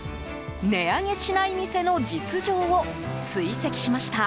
値上げしない店の実情を追跡しました！